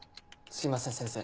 すいません先生。